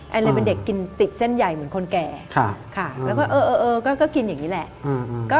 เลยเป็นเด็กกินติดเส้นใหญ่เหมือนคนแก่ค่ะแล้วก็เออก็กินอย่างนี้แหละ